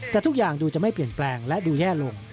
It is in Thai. แต่ทุกอย่างดูจะไม่เปลี่ยนแปลงและดูแย่ลง